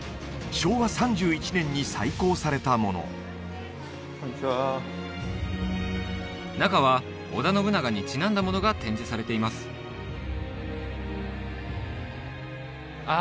昭和３１年に再興されたものこんにちは中は織田信長にちなんだものが展示されていますあ